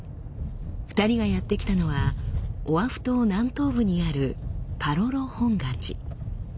２人がやって来たのはオアフ島南東部にあるパロロ本願寺。